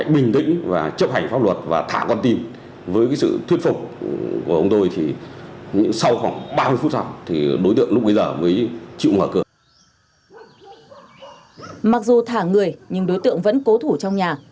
mặc dù thả người nhưng đối tượng vẫn cố thủ trong nhà